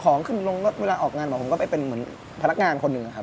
ของขึ้นลงรถเวลาออกงานบอกผมก็ไปเป็นเหมือนพนักงานคนหนึ่งนะครับ